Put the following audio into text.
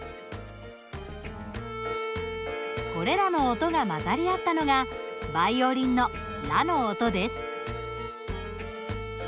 これらの音が混ざり合ったのがバイオリンのラの音です。